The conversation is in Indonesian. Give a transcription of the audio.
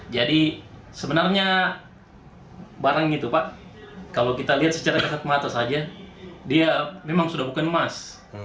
jadi sebenarnya barang itu pak kalau kita lihat secara kesat mata saja dia memang sudah bukan emas